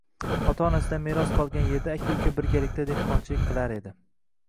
Ota-onasidan meros qolgan erda aka-uka birgalikda dehqonchilik qilar edi